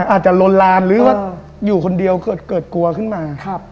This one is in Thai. อาจจะลนลานหรือว่าอยู่คนเดียวเกิดกลัวขึ้นมา